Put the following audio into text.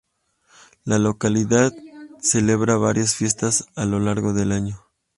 La localidad celebra varias fiestas a lo largo del año.